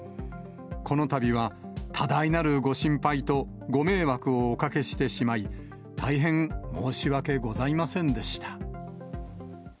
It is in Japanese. このたびは多大なるご心配とご迷惑をおかけしてしまい、大変申し訳ございませんでした。